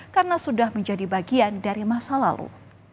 karena sudah menjadi bagian dari masa lalu